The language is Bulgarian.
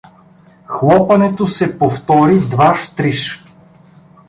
Хлопането се повтори дваж, триж.